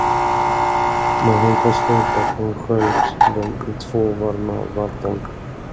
Men hon påstod, att hon sköljt dem i två varma vatten.